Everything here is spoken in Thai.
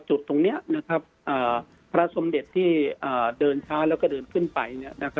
จุดตรงนี้พระสมเด็จที่เดินช้าแล้วก็เดินขึ้นไป